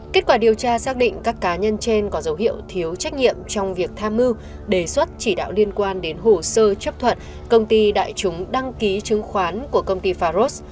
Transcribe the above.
kết quả điều tra xác định các cá nhân trên có dấu hiệu thiếu trách nhiệm trong việc tham mưu đề xuất chỉ đạo liên quan đến hồ sơ chấp thuận công ty đại chúng đăng ký chứng khoán của công ty faros